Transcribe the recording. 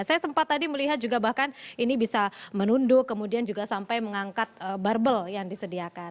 saya sempat tadi melihat juga bahkan ini bisa menunduk kemudian juga sampai mengangkat barbel yang disediakan